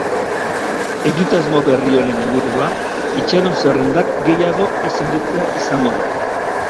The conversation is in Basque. Egitasmo berri honen helburua itxaronzerrendak gehiago ez handitzea izango da.